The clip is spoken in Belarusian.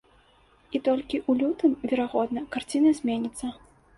І толькі ў лютым, верагодна, карціна зменіцца.